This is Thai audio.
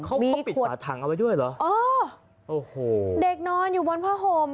เขาปิดหอดถังเอาไปด้วยเหรอโอ้โหเด็กนอนอยู่บนผ้าห่ม